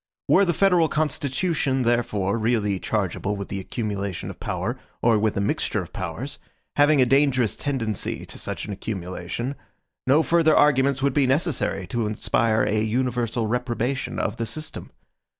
Were the federal Constitution, therefore, really chargeable with the accumulation of power, or with a mixture of powers, having a dangerous tendency to such an accumulation, no further arguments would be necessary to inspire a universal reprobation of the system.